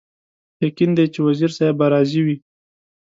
یقین دی چې وزیر صاحب به راضي وي.